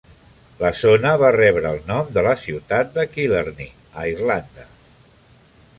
La zona va rebre el nom de la ciutat de Killarney, a Irlanda.